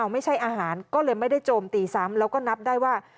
ไม่ใช่อาหารก็เลยไม่ได้โจมตีซ้ำแล้วก็นับได้ว่า